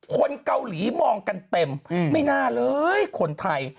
คนเกาหลีมองกันเต็มไม่น่าเลยคนไทย